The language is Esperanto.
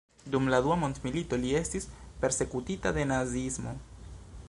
Dum la Dua Mondmilito, li estis persekutita de Naziismo.